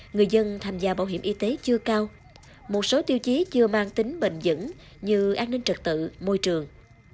người dân tham gia bảo hiểm y tế chưa cao một số tiêu chí chưa mang tính bền dững như an ninh trật tự môi trường